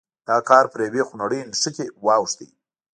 دا کار پر یوې خونړۍ نښتې واوښت.